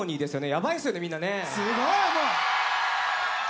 やばいですよねみんなね。